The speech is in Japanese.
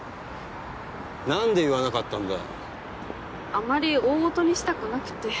あまり大ごとにしたくなくて。